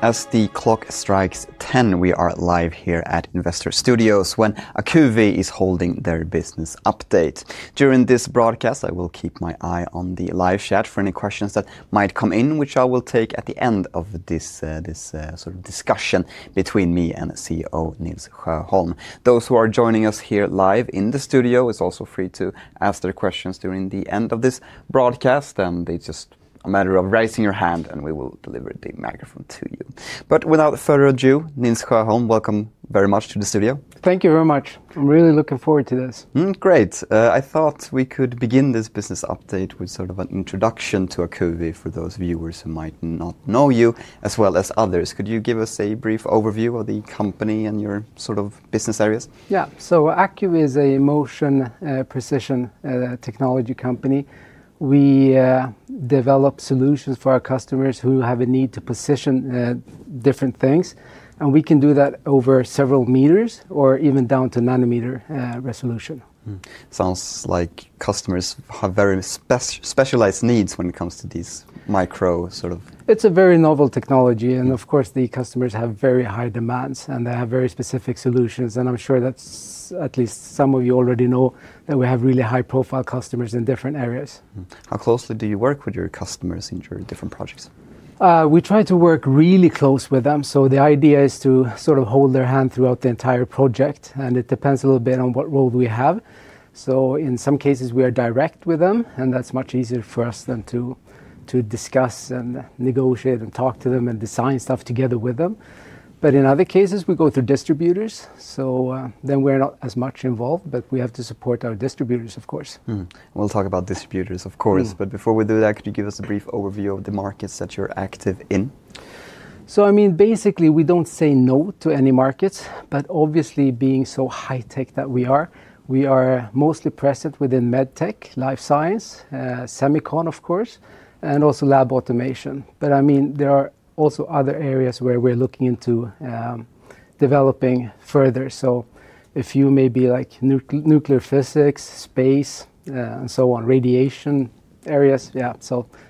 As the clock strikes 10, we are live here at Investor Studios when Acuvi is holding their business update. During this broadcast, I will keep my eye on the live chat for any questions that might come in, which I will take at the end of this sort of discussion between me and CEO Nils Sjöholm. Those who are joining us here live in the studio are also free to ask their questions during the end of this broadcast. It is just a matter of raising your hand, and we will deliver the microphone to you. Without further ado, Nils Sjöholm, welcome very much to the studio. Thank you very much. I'm really looking forward to this. Great. I thought we could begin this business update with sort of an introduction to Acuvi for those viewers who might not know you, as well as others. Could you give us a brief overview of the company and your sort of business areas? Yeah. Acuvi is a motion precision technology company. We develop solutions for our customers who have a need to position different things. We can do that over several meters or even down to nanometer resolution. Sounds like customers have very specialized needs when it comes to these micro sort of. It's a very novel technology. Of course, the customers have very high demands, and they have very specific solutions. I'm sure that at least some of you already know that we have really high-profile customers in different areas. How closely do you work with your customers in your different projects? We try to work really close with them. The idea is to sort of hold their hand throughout the entire project. It depends a little bit on what role we have. In some cases, we are direct with them, and that's much easier for us to discuss and negotiate and talk to them and design stuff together with them. In other cases, we go through distributors. We are not as much involved, but we have to support our distributors, of course. We'll talk about distributors, of course. Before we do that, could you give us a brief overview of the markets that you're active in? I mean, basically, we don't say no to any markets. Obviously, being so high-tech that we are, we are mostly present within med tech, life science, semicon, of course, and also lab automation. I mean, there are also other areas where we're looking into developing further. A few may be like nuclear physics, space, and so on, radiation areas. Yeah.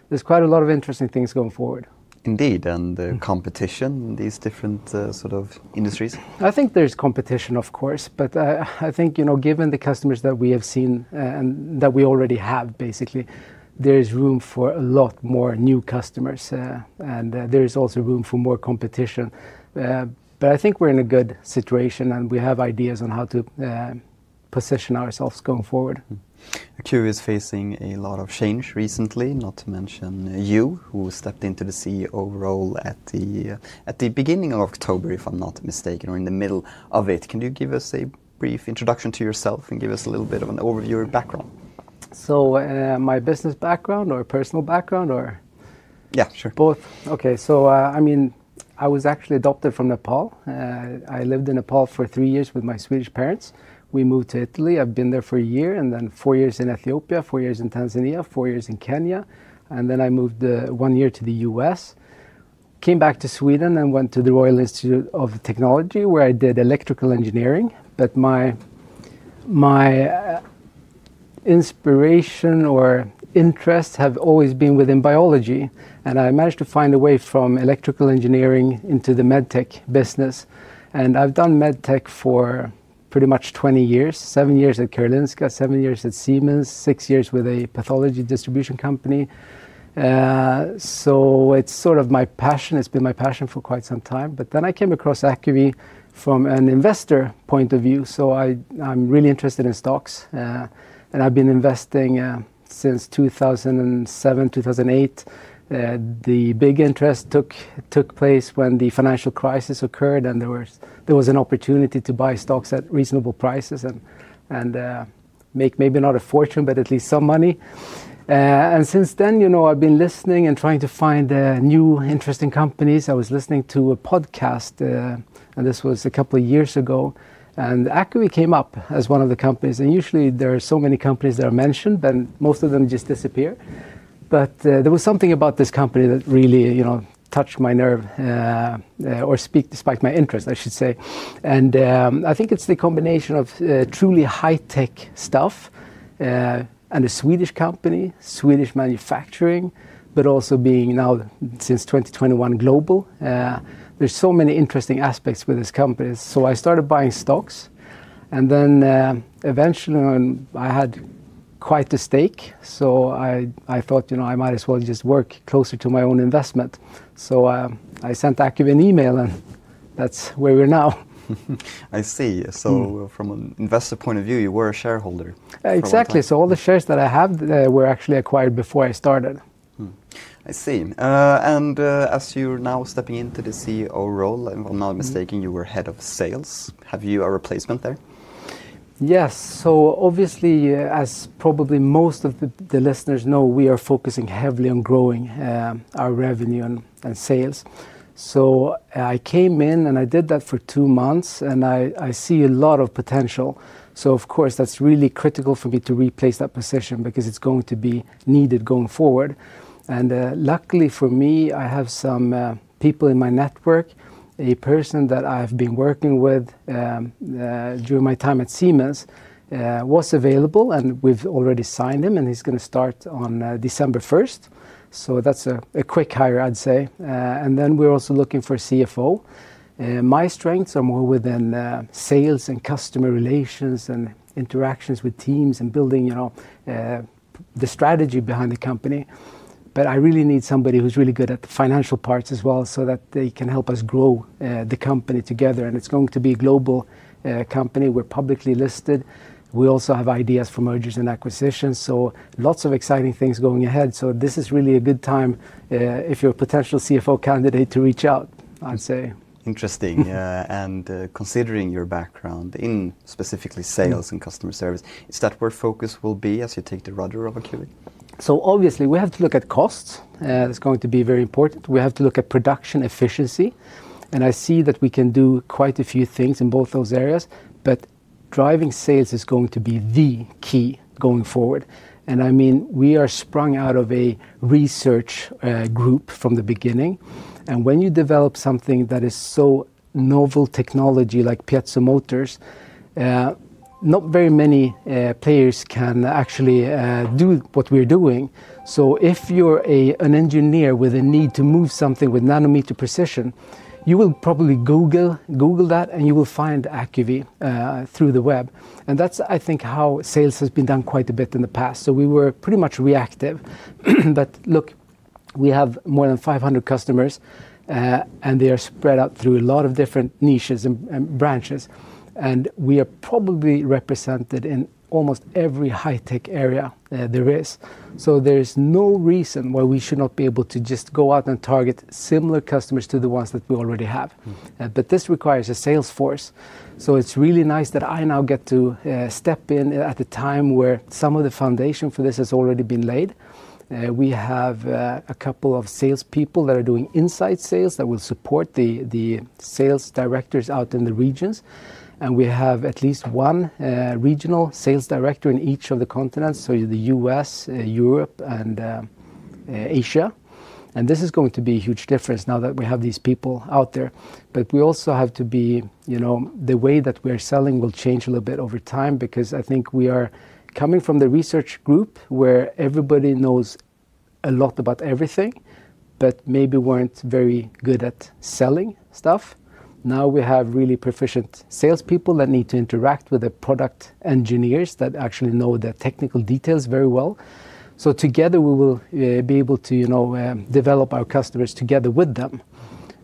There's quite a lot of interesting things going forward. Indeed. The competition in these different sort of industries? I think there's competition, of course. I think, you know, given the customers that we have seen and that we already have, basically, there is room for a lot more new customers. There is also room for more competition. I think we're in a good situation, and we have ideas on how to position ourselves going forward. Acuvi is facing a lot of change recently, not to mention you, who stepped into the CEO role at the beginning of October, if I'm not mistaken, or in the middle of it. Can you give us a brief introduction to yourself and give us a little bit of an overview or background? My business background or personal background or both? Yeah, sure. OK. I mean, I was actually adopted from Nepal. I lived in Nepal for three years with my Swedish parents. We moved to Italy. I've been there for a year and then four years in Ethiopia, four years in Tanzania, four years in Kenya. I moved one year to the U.S., came back to Sweden, and went to the Royal Institute of Technology, where I did electrical engineering. My inspiration or interests have always been within biology. I managed to find a way from electrical engineering into the med tech business. I've done med tech for pretty much 20 years, seven years at Karolinska, seven years at Siemens, six years with a pathology distribution company. It's sort of my passion. It's been my passion for quite some time. I came across Acuvi from an investor point of view. I'm really interested in stocks. I've been investing since 2007, 2008. The big interest took place when the financial crisis occurred, and there was an opportunity to buy stocks at reasonable prices and make maybe not a fortune, but at least some money. Since then, you know, I've been listening and trying to find new interesting companies. I was listening to a podcast, and this was a couple of years ago. Acuvi came up as one of the companies. Usually, there are so many companies that are mentioned, and most of them just disappear. There was something about this company that really touched my nerve or spiked my interest, I should say. I think it's the combination of truly high-tech stuff and a Swedish company, Swedish manufacturing, but also being now since 2021 global. There are so many interesting aspects with this company. I started buying stocks. And then eventually, I had quite a stake. So I thought, you know, I might as well just work closer to my own investment. So I sent Acuvi an email, and that's where we're now. I see. From an investor point of view, you were a shareholder. Exactly. All the shares that I had were actually acquired before I started. I see. As you're now stepping into the CEO role, if I'm not mistaken, you were head of sales. Have you a replacement there? Yes. Obviously, as probably most of the listeners know, we are focusing heavily on growing our revenue and sales. I came in, and I did that for two months. I see a lot of potential. Of course, that is really critical for me to replace that position because it is going to be needed going forward. Luckily for me, I have some people in my network. A person that I have been working with during my time at Siemens was available, and we have already signed him, and he is going to start on December 1. That is a quick hire, I would say. We are also looking for a CFO. My strengths are more within sales and customer relations and interactions with teams and building the strategy behind the company. I really need somebody who's really good at the financial parts as well so that they can help us grow the company together. It's going to be a global company. We're publicly listed. We also have ideas for mergers and acquisitions. Lots of exciting things going ahead. This is really a good time, if you're a potential CFO candidate, to reach out, I'd say. Interesting. Considering your background in specifically sales and customer service, is that where focus will be as you take the rudder of Acuvi? Obviously, we have to look at costs. That's going to be very important. We have to look at production efficiency. I see that we can do quite a few things in both those areas. Driving sales is going to be the key going forward. I mean, we are sprung out of a research group from the beginning. When you develop something that is so novel technology, like piezo motors, not very many players can actually do what we're doing. If you're an engineer with a need to move something with nanometer precision, you will probably Google that, and you will find Acuvi through the web. That's, I think, how sales has been done quite a bit in the past. We were pretty much reactive. Look, we have more than 500 customers, and they are spread out through a lot of different niches and branches. We are probably represented in almost every high-tech area there is. There is no reason why we should not be able to just go out and target similar customers to the ones that we already have. This requires a sales force. It is really nice that I now get to step in at a time where some of the foundation for this has already been laid. We have a couple of salespeople that are doing inside sales that will support the sales directors out in the regions. We have at least one regional sales director in each of the continents, the U.S., Europe, and Asia. This is going to be a huge difference now that we have these people out there. We also have to be the way that we are selling will change a little bit over time because I think we are coming from the research group where everybody knows a lot about everything, but maybe were not very good at selling stuff. Now we have really proficient salespeople that need to interact with the product engineers that actually know the technical details very well. Together, we will be able to develop our customers together with them.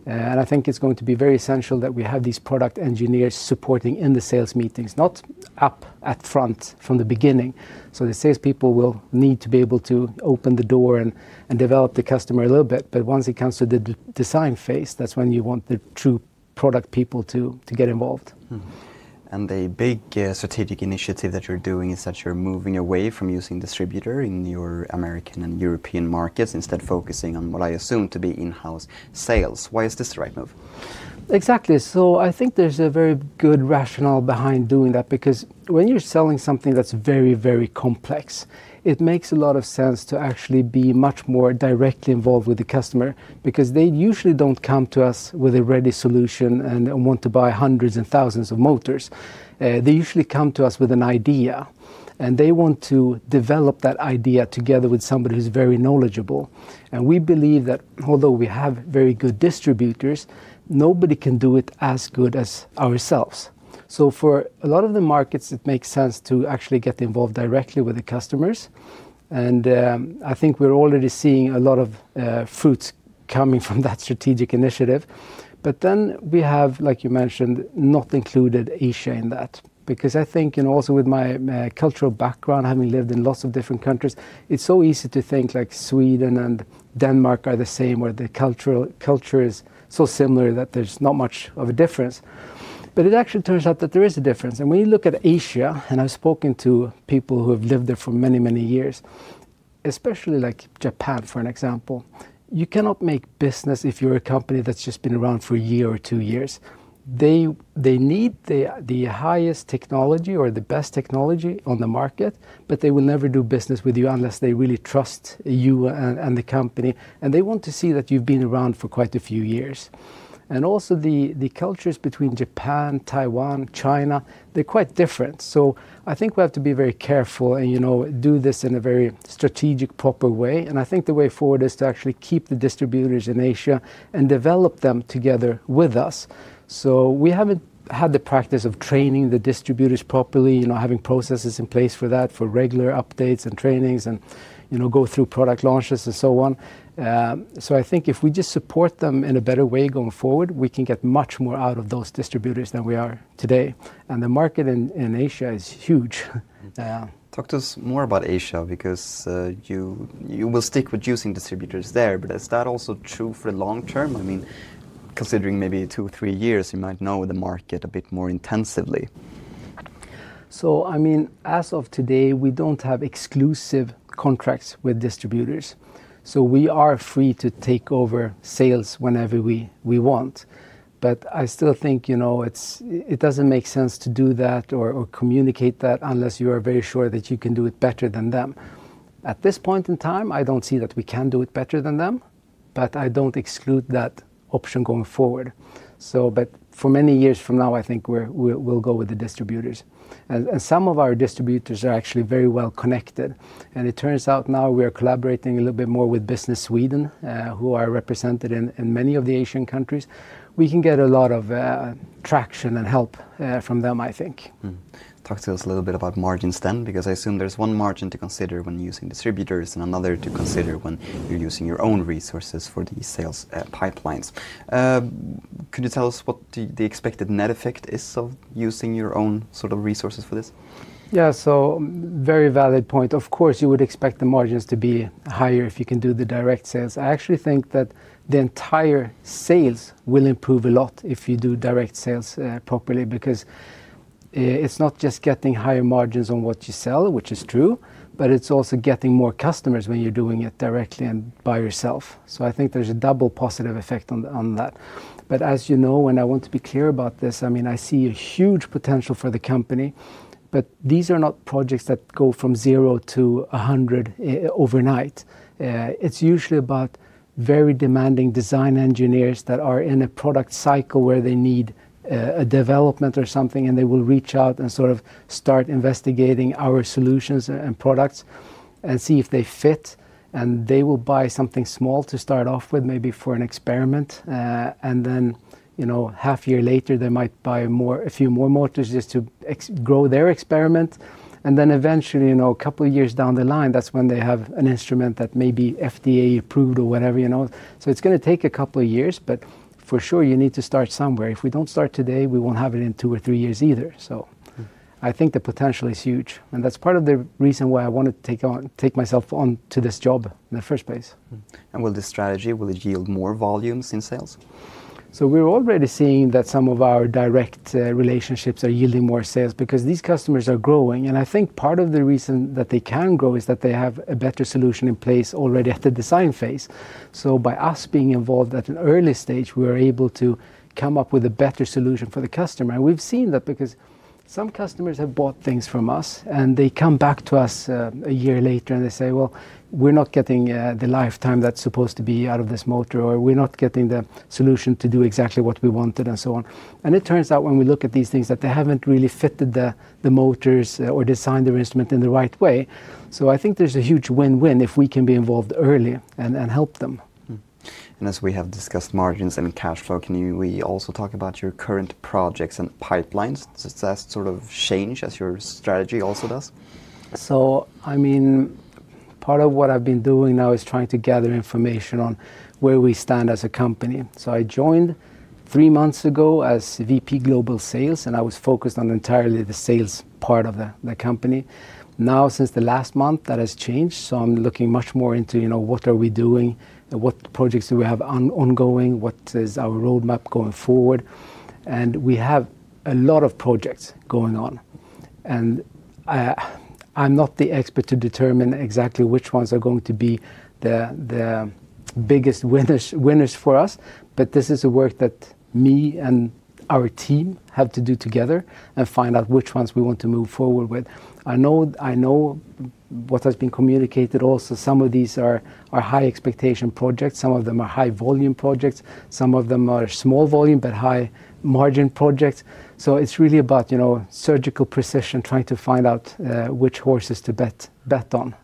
I think it is going to be very essential that we have these product engineers supporting in the sales meetings, not up at front from the beginning. The salespeople will need to be able to open the door and develop the customer a little bit. Once it comes to the design phase, that is when you want the true product people to get involved. The big strategic initiative that you're doing is that you're moving away from using distributor in your American and European markets, instead focusing on what I assume to be in-house sales. Why is this the right move? Exactly. I think there's a very good rationale behind doing that because when you're selling something that's very, very complex, it makes a lot of sense to actually be much more directly involved with the customer because they usually don't come to us with a ready solution and want to buy hundreds and thousands of motors. They usually come to us with an idea. They want to develop that idea together with somebody who's very knowledgeable. We believe that although we have very good distributors, nobody can do it as good as ourselves. For a lot of the markets, it makes sense to actually get involved directly with the customers. I think we're already seeing a lot of fruits coming from that strategic initiative. Like you mentioned, we have not included Asia in that. Because I think also with my cultural background, having lived in lots of different countries, it's so easy to think like Sweden and Denmark are the same, where the culture is so similar that there's not much of a difference. It actually turns out that there is a difference. When you look at Asia, and I've spoken to people who have lived there for many, many years, especially like Japan, for an example, you cannot make business if you're a company that's just been around for a year or two years. They need the highest technology or the best technology on the market, but they will never do business with you unless they really trust you and the company. They want to see that you've been around for quite a few years. Also, the cultures between Japan, Taiwan, China, they're quite different. I think we have to be very careful and do this in a very strategic, proper way. I think the way forward is to actually keep the distributors in Asia and develop them together with us. We have not had the practice of training the distributors properly, having processes in place for that, for regular updates and trainings and go through product launches and so on. I think if we just support them in a better way going forward, we can get much more out of those distributors than we are today. The market in Asia is huge. Talk to us more about Asia because you will stick with using distributors there. Is that also true for the long term? I mean, considering maybe two, three years, you might know the market a bit more intensively. I mean, as of today, we don't have exclusive contracts with distributors. We are free to take over sales whenever we want. I still think it doesn't make sense to do that or communicate that unless you are very sure that you can do it better than them. At this point in time, I don't see that we can do it better than them. I don't exclude that option going forward. For many years from now, I think we'll go with the distributors. Some of our distributors are actually very well connected. It turns out now we are collaborating a little bit more with Business Sweden, who are represented in many of the Asian countries. We can get a lot of traction and help from them, I think. Talk to us a little bit about margins then, because I assume there's one margin to consider when using distributors and another to consider when you're using your own resources for these sales pipelines. Could you tell us what the expected net effect is of using your own sort of resources for this? Yeah, very valid point. Of course, you would expect the margins to be higher if you can do the direct sales. I actually think that the entire sales will improve a lot if you do direct sales properly because it's not just getting higher margins on what you sell, which is true, but it's also getting more customers when you're doing it directly and by yourself. I think there's a double positive effect on that. As you know, and I want to be clear about this, I mean, I see a huge potential for the company. These are not projects that go from zero to 100 overnight. It's usually about very demanding design engineers that are in a product cycle where they need a development or something, and they will reach out and sort of start investigating our solutions and products and see if they fit. They will buy something small to start off with, maybe for an experiment. Then half a year later, they might buy a few more motors just to grow their experiment. Eventually, a couple of years down the line, that's when they have an instrument that may be FDA approved or whatever. It is going to take a couple of years. For sure, you need to start somewhere. If we do not start today, we will not have it in two or three years either. I think the potential is huge. That is part of the reason why I wanted to take myself on to this job in the first place. Will this strategy, will it yield more volumes in sales? We're already seeing that some of our direct relationships are yielding more sales because these customers are growing. I think part of the reason that they can grow is that they have a better solution in place already at the design phase. By us being involved at an early stage, we are able to come up with a better solution for the customer. We've seen that because some customers have bought things from us, and they come back to us a year later, and they say, well, we're not getting the lifetime that's supposed to be out of this motor, or we're not getting the solution to do exactly what we wanted and so on. It turns out when we look at these things that they haven't really fitted the motors or designed their instrument in the right way. I think there's a huge win-win if we can be involved early and help them. As we have discussed margins and cash flow, can we also talk about your current projects and pipelines? Does that sort of change as your strategy also does? I mean, part of what I've been doing now is trying to gather information on where we stand as a company. I joined three months ago as VP Global Sales, and I was focused on entirely the sales part of the company. Now, since the last month, that has changed. I'm looking much more into what are we doing, what projects do we have ongoing, what is our roadmap going forward. We have a lot of projects going on. I'm not the expert to determine exactly which ones are going to be the biggest winners for us. This is the work that me and our team have to do together and find out which ones we want to move forward with. I know what has been communicated also. Some of these are high expectation projects. Some of them are high volume projects. Some of them are small volume but high margin projects. It is really about surgical precision, trying to find out which horse is to bet on.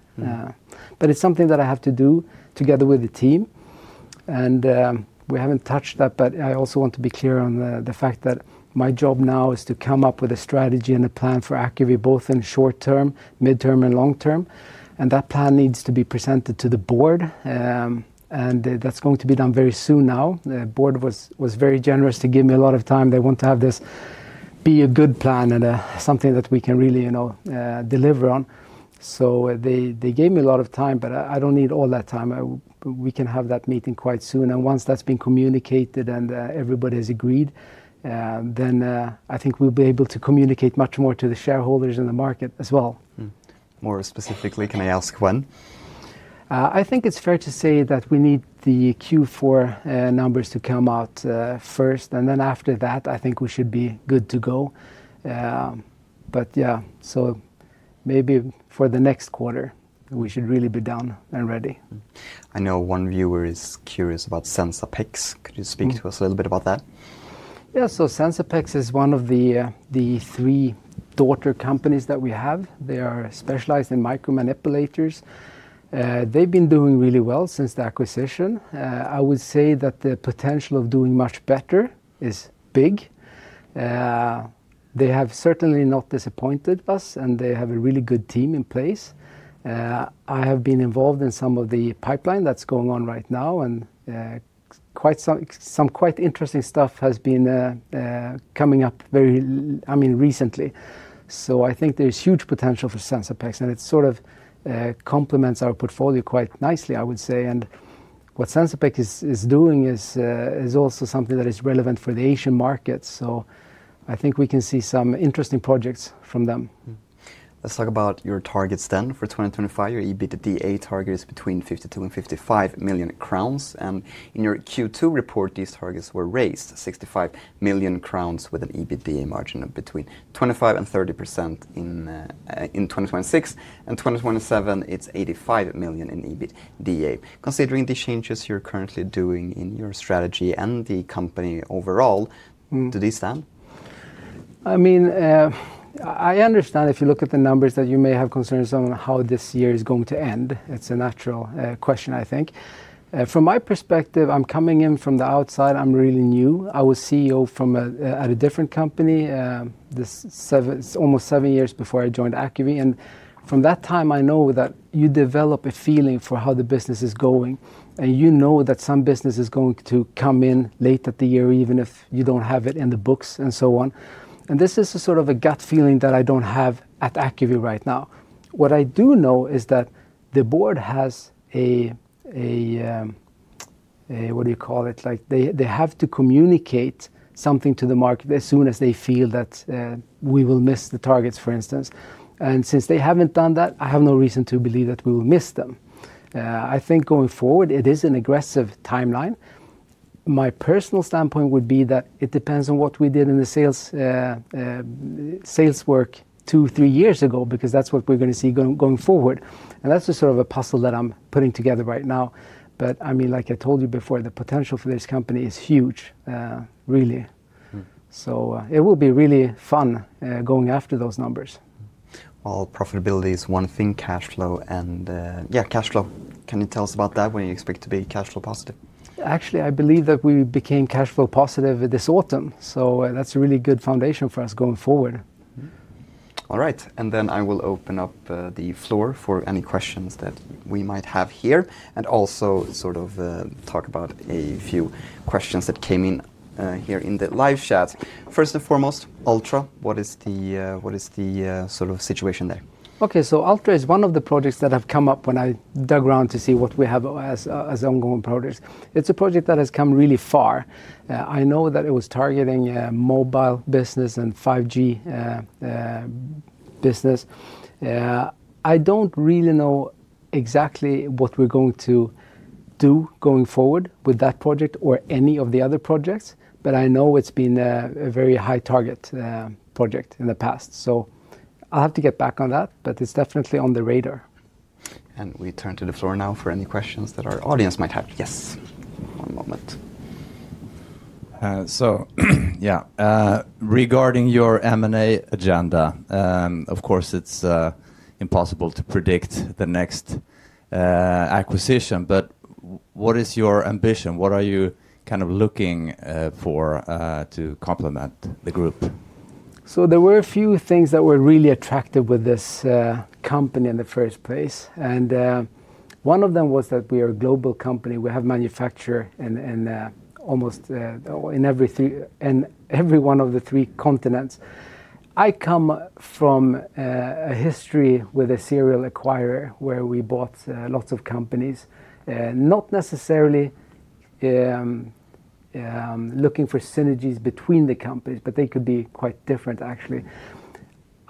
It is something that I have to do together with the team. We have not touched that, but I also want to be clear on the fact that my job now is to come up with a strategy and a plan for Acuvi both in short term, midterm, and long term. That plan needs to be presented to the board. That is going to be done very soon now. The board was very generous to give me a lot of time. They want to have this be a good plan and something that we can really deliver on. They gave me a lot of time, but I do not need all that time. We can have that meeting quite soon. Once that's been communicated and everybody has agreed, I think we'll be able to communicate much more to the shareholders and the market as well. More specifically, can I ask when? I think it's fair to say that we need the Q4 numbers to come out first. After that, I think we should be good to go. Yeah, maybe for the next quarter, we should really be done and ready. I know one viewer is curious about Sensapex. Could you speak to us a little bit about that? Yeah, Sensapex is one of the three daughter companies that we have. They are specialized in micromanipulators. They've been doing really well since the acquisition. I would say that the potential of doing much better is big. They have certainly not disappointed us, and they have a really good team in place. I have been involved in some of the pipeline that's going on right now, and some quite interesting stuff has been coming up very recently. I think there's huge potential for Sensapex, and it sort of complements our portfolio quite nicely, I would say. What Sensapex is doing is also something that is relevant for the Asian market. I think we can see some interesting projects from them. Let's talk about your targets then for 2025. Your EBITDA target is between 52 million and 55 million crowns. In your Q2 report, these targets were raised, 65 million crowns with an EBITDA margin of between 25% and 30% in 2026. In 2027, it's 85 million in EBITDA. Considering the changes you're currently doing in your strategy and the company overall, do these stand? I mean, I understand if you look at the numbers that you may have concerns on how this year is going to end. It's a natural question, I think. From my perspective, I'm coming in from the outside. I'm really new. I was CEO at a different company almost seven years before I joined Acuvi. From that time, I know that you develop a feeling for how the business is going. You know that some business is going to come in late at the year, even if you don't have it in the books and so on. This is a sort of a gut feeling that I don't have at Acuvi right now. What I do know is that the board has a, what do you call it, like they have to communicate something to the market as soon as they feel that we will miss the targets, for instance. Since they haven't done that, I have no reason to believe that we will miss them. I think going forward, it is an aggressive timeline. My personal standpoint would be that it depends on what we did in the sales work two, three years ago because that's what we're going to see going forward. That's the sort of puzzle that I'm putting together right now. I mean, like I told you before, the potential for this company is huge, really. It will be really fun going after those numbers. Profitability is one thing, cash flow, and yeah, cash flow. Can you tell us about that? What do you expect to be cash flow positive? Actually, I believe that we became cash flow positive this autumn. That is a really good foundation for us going forward. All right. I will open up the floor for any questions that we might have here and also sort of talk about a few questions that came in here in the live chat. First and foremost, [Altrove], what is the sort of situation there? OK, so [Altrove] is one of the projects that have come up when I dug around to see what we have as ongoing projects. It's a project that has come really far. I know that it was targeting mobile business and 5G business. I don't really know exactly what we're going to do going forward with that project or any of the other projects. I know it's been a very high target project in the past. I'll have to get back on that, but it's definitely on the radar. We turn to the floor now for any questions that our audience might have. Yes, one moment. Yeah, regarding your M&A agenda, of course, it's impossible to predict the next acquisition. What is your ambition? What are you kind of looking for to complement the group? There were a few things that were really attractive with this company in the first place. One of them was that we are a global company. We have manufacture in almost every one of the three continents. I come from a history with a serial acquirer where we bought lots of companies, not necessarily looking for synergies between the companies, but they could be quite different, actually.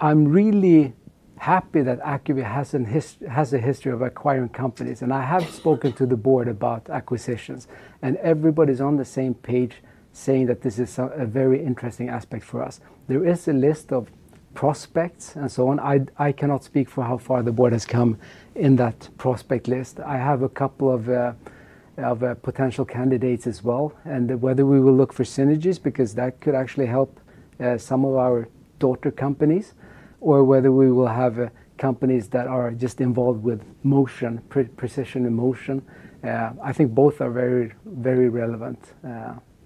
I'm really happy that Acuvi has a history of acquiring companies. I have spoken to the board about acquisitions. Everybody's on the same page saying that this is a very interesting aspect for us. There is a list of prospects and so on. I cannot speak for how far the board has come in that prospect list. I have a couple of potential candidates as well. Whether we will look for synergies, because that could actually help some of our daughter companies, or whether we will have companies that are just involved with precision in motion, I think both are very, very relevant.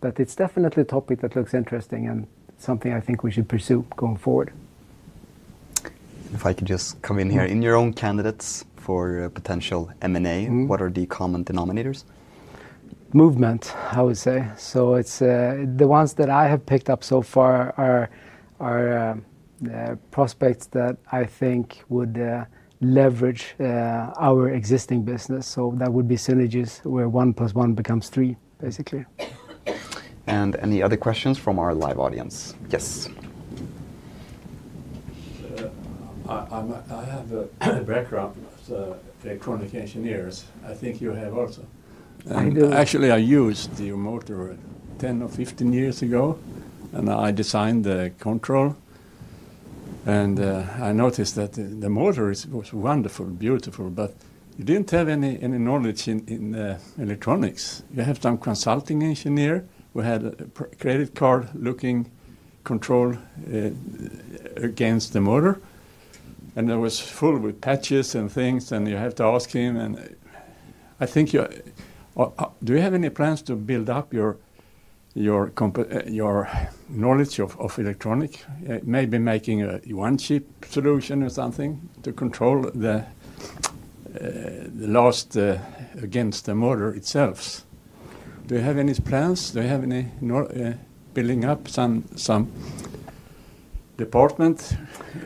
It is definitely a topic that looks interesting and something I think we should pursue going forward. If I could just come in here, in your own candidates for potential M&A, what are the common denominators? Movement, I would say. The ones that I have picked up so far are prospects that I think would leverage our existing business. That would be synergies where one plus one becomes three, basically. Any other questions from our live audience? Yes. I have a background as electronic engineers. I think you have also. I do. Actually, I used the motor 10 or 15 years ago. I designed the control. I noticed that the motor was wonderful, beautiful. You did not have any knowledge in electronics. You had some consulting engineer who had a credit card-looking control against the motor. It was full with patches and things. You had to ask him. I think, do you have any plans to build up your knowledge of electronics, maybe making one chip solution or something to control the loss against the motor itself? Do you have any plans? Do you have any building up some department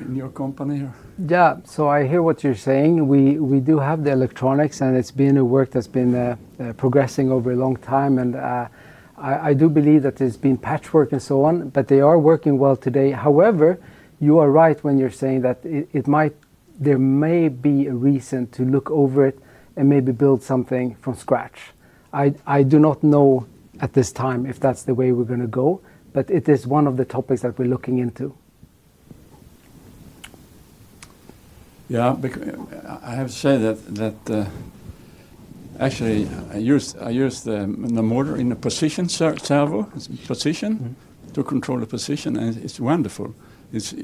in your company? Yeah, I hear what you're saying. We do have the electronics. It's been a work that's been progressing over a long time. I do believe that there's been patchwork and so on. They are working well today. However, you are right when you're saying that there may be a reason to look over it and maybe build something from scratch. I do not know at this time if that's the way we're going to go. It is one of the topics that we're looking into. Yeah, I have to say that actually, I used the motor in a position, servo, position to control the position. It's wonderful. The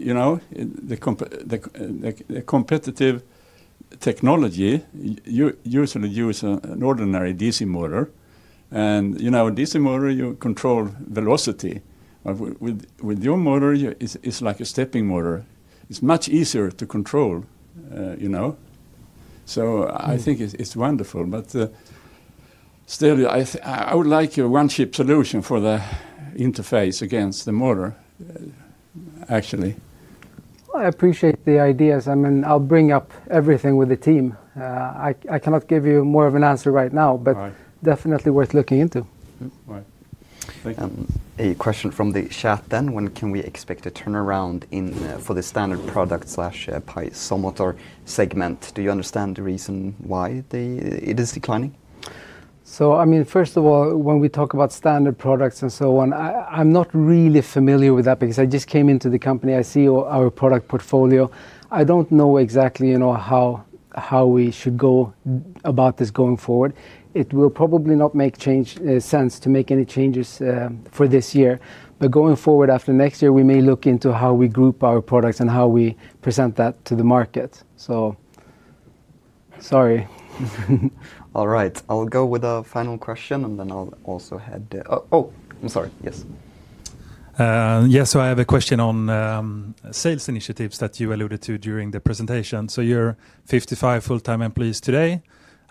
competitive technology, you usually use an ordinary DC motor. With a DC motor, you control velocity. With your motor, it's like a stepping motor. It's much easier to control. I think it's wonderful. Still, I would like a one-chip solution for the interface against the motor, actually. I appreciate the ideas. I mean, I'll bring up everything with the team. I cannot give you more of an answer right now, but definitely worth looking into. Right. A question from the chat then. When can we expect a turnaround for the product/PiezoMotor segment? Do you understand the reason why it is declining? I mean, first of all, when we talk about standard products and so on, I'm not really familiar with that because I just came into the company. I see our product portfolio. I don't know exactly how we should go about this going forward. It will probably not make sense to make any changes for this year. Going forward, after next year, we may look into how we group our products and how we present that to the market. Sorry. All right. I'll go with a final question. And then I'll also head—oh, I'm sorry. Yes. Yes, I have a question on sales initiatives that you alluded to during the presentation. You're 55 full-time employees today.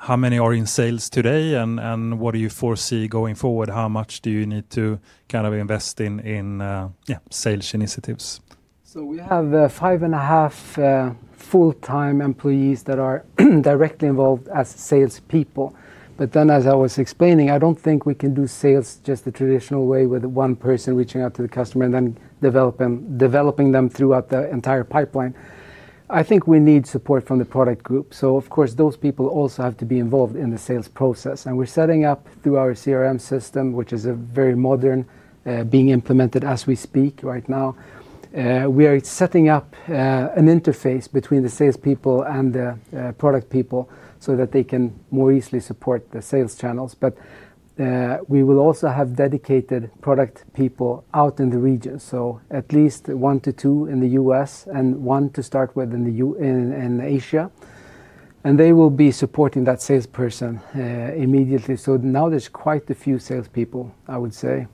How many are in sales today? What do you foresee going forward? How much do you need to kind of invest in sales initiatives? We have five and one-half full-time employees that are directly involved as salespeople. As I was explaining, I do not think we can do sales just the traditional way with one person reaching out to the customer and then developing them throughout the entire pipeline. I think we need support from the product group. Of course, those people also have to be involved in the sales process. We are setting up through our CRM system, which is very modern, being implemented as we speak right now. We are setting up an interface between the salespeople and the product people so that they can more easily support the sales channels. We will also have dedicated product people out in the region, at least one to two in the United States and one to start with in Asia. They will be supporting that salesperson immediately. Now there's quite a few salespeople, I would say.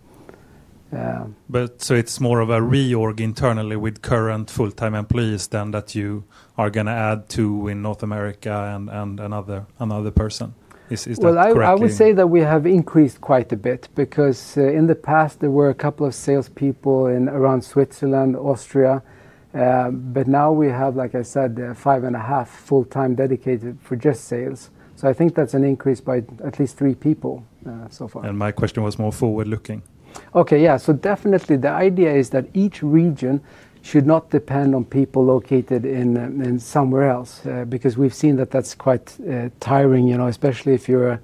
It is more of a reorg internally with current full-time employees than that you are going to add two in North America and another person. Is that correct? I would say that we have increased quite a bit because in the past, there were a couple of salespeople around Switzerland, Austria. Now we have, like I said, five and one-half full-time dedicated for just sales. I think that's an increase by at least three people so far. My question was more forward-looking. OK, yeah. Definitely, the idea is that each region should not depend on people located somewhere else because we've seen that that's quite tiring, especially if you're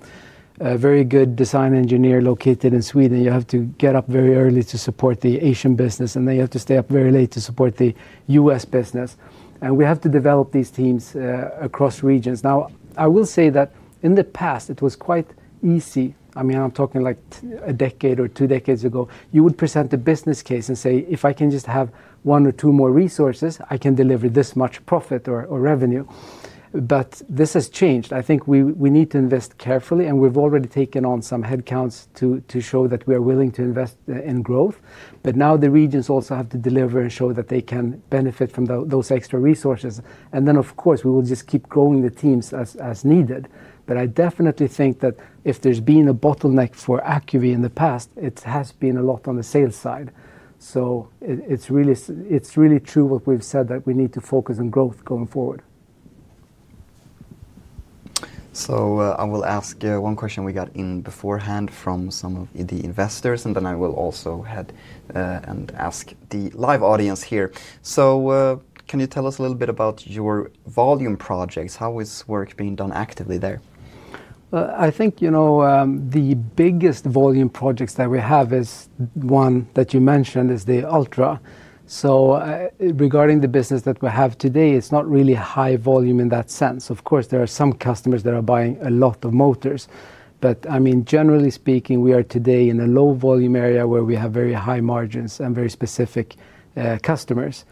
a very good design engineer located in Sweden. You have to get up very early to support the Asian business. You have to stay up very late to support the U.S. business. We have to develop these teams across regions. I will say that in the past, it was quite easy. I mean, I'm talking like a decade or two decades ago. You would present a business case and say, if I can just have one or two more resources, I can deliver this much profit or revenue. This has changed. I think we need to invest carefully. We've already taken on some headcounts to show that we are willing to invest in growth. Now the regions also have to deliver and show that they can benefit from those extra resources. Of course, we will just keep growing the teams as needed. I definitely think that if there's been a bottleneck for Acuvi in the past, it has been a lot on the sales side. It is really true what we've said that we need to focus on growth going forward. I will ask one question we got in beforehand from some of the investors. Then I will also head and ask the live audience here. Can you tell us a little bit about your volume projects? How is work being done actively there? I think the biggest volume projects that we have is one that you mentioned is the [Altra]. Regarding the business that we have today, it's not really high volume in that sense. Of course, there are some customers that are buying a lot of motors. I mean, generally speaking, we are today in a low volume area where we have very high margins and very specific customers.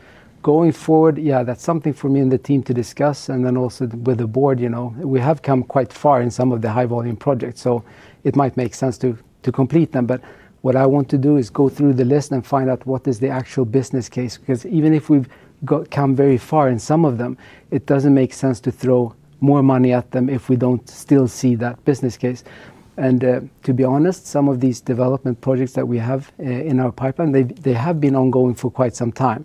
Going forward, yeah, that's something for me and the team to discuss. Also with the board, we have come quite far in some of the high volume projects. It might make sense to complete them. What I want to do is go through the list and find out what is the actual business case. Because even if we've come very far in some of them, it doesn't make sense to throw more money at them if we don't still see that business case. To be honest, some of these development projects that we have in our pipeline, they have been ongoing for quite some time.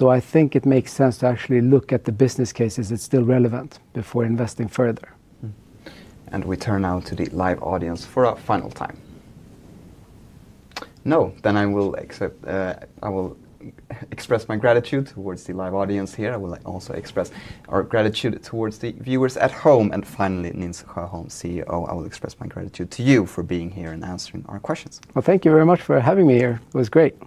I think it makes sense to actually look at the business cases that are still relevant before investing further. We turn now to the live audience for a final time. No. I will express my gratitude towards the live audience here. I will also express our gratitude towards the viewers at home. Finally, Nils Sjöholm, CEO, I will express my gratitude to you for being here and answering our questions. Thank you very much for having me here. It was great.